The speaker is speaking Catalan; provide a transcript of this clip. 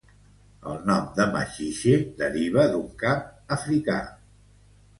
El nom de Maxixe deriva d'un cap africà.